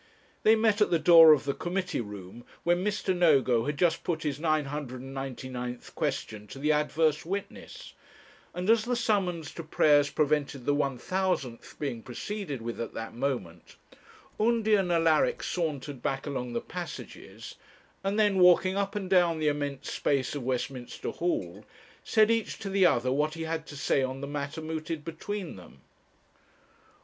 They met at the door of the committee room when Mr. Nogo had just put his 999th question to the adverse witness; and as the summons to prayers prevented the 1,000th being proceeded with at that moment, Undy and Alaric sauntered back along the passages, and then walking up and down the immense space of Westminster Hall, said each to the other what he had to say on the matter mooted between them.